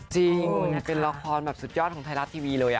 จี๊งเป็นละครสุดยอดของไทรารัสที่วีเลยอะ